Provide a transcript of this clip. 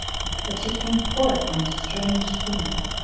But she came forth on a strange scene.